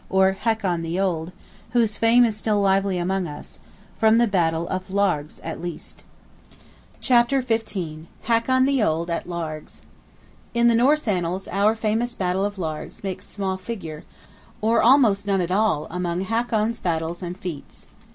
or Hakon the Old; whose fame is still lively among us, from the Battle of Largs at least. CHAPTER XV. HAKON THE OLD AT LARGS. In the Norse annals our famous Battle of Largs makes small figure, or almost none at all among Hakon's battles and feats.